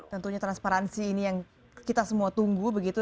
tentunya transparansi ini yang kita semua tunggu begitu